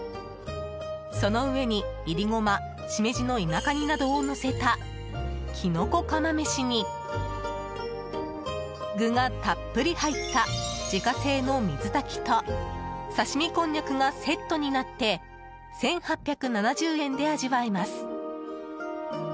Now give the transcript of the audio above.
その上に、いりごましめじの田舎煮などをのせたきのこ釜めしに具がたっぷり入った自家製の水炊きと刺し身こんにゃくがセットになって１８７０円で味わえます。